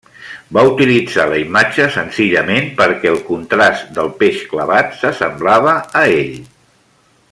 Va utilitzar la imatge senzillament perquè el contrast del peix clavat s'assemblava a ell.